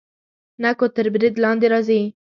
نکو تر برید لاندې راځي.